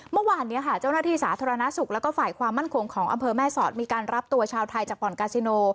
เมื่อวานนี้ค่ะเจ้าหน้าที่สาธารณสุขแล้วก็ฝ่ายความมั่นคงของอำเภอแม่สอดมีการรับตัวชาวไทยจากบ่อนกาซิโน